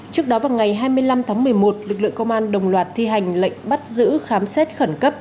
trước đó vào ngày hai mươi năm tháng một mươi một lực lượng công an đồng loạt thi hành lệnh bắt giữ khám xét khẩn cấp